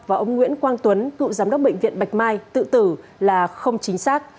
và ông nguyễn quang tuấn cựu giám đốc bệnh viện bạch mai tự tử là không chính xác